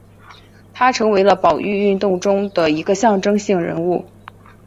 他成为了保育运动中的一个象征性人物。